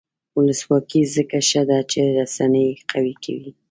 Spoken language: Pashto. ولسواکي ځکه ښه ده چې رسنۍ قوي کوي.